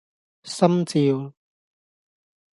心照